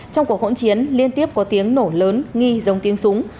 trong cuộc hỗn chiến liên tiếp có tiếng nổ lớn nghi giống tiếng súng